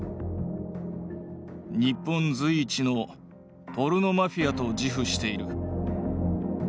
日本随一のポルノマフィアと自負している。